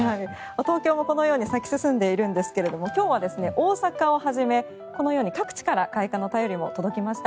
東京もこのように咲き進んでいるんですが今日は大阪をはじめこのように各地から開花の便りも届きました。